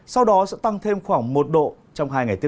sau đó sẽ tăng thêm khoảng một độ trong hai ngày tới